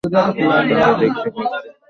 তাকে দেখতে পাচ্ছি।